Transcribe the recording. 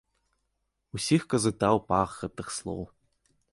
Усіх казытаў пах гэтых слоў.